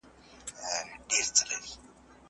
ده د ماشومانو روزنه مهمه بلله.